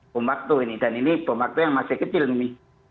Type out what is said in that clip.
bom waktu ini dan ini bom waktu yang masih kecil nih